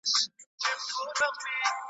په اوبو کي خپلو پښو ته په کتلو .